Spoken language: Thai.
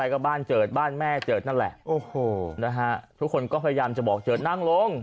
ก็บ้านเจิดบ้านแม่เจิดนั่นแหละโอ้โหนะฮะทุกคนก็พยายามจะบอกเจิดนั่งลง